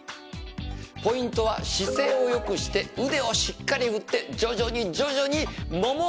ポイントは姿勢を良くして腕をしっかり振って徐々に徐々にももを上げていきます。